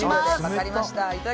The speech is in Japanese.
分かりました。